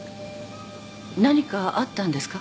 何かあったんですか？